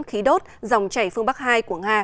khí đốt dòng chảy phương bắc hai của nga